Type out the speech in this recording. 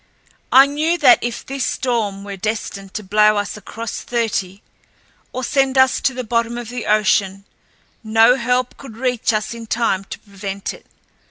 I knew that if this storm were destined to blow us across thirty, or send us to the bottom of the ocean, no help could reach us in time to prevent it.